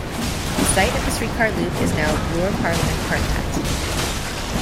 The site of the steetcar loop is now Bloor - Parliament Parkette.